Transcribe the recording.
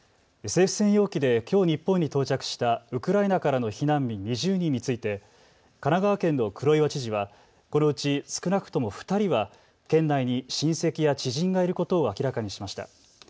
政府専用機できょう日本に到着したウクライナからの避難民２０人について神奈川県の黒岩知事はこのうち少なくとも２人は県内に親戚や知人がいることを明らかにしました。